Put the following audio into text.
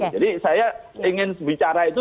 jadi saya ingin bicara itu